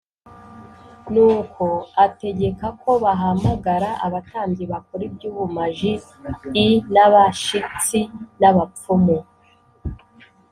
Nuko ategeka ko bahamagara abatambyi bakora iby ubumaji l n abashitsi n abapfumu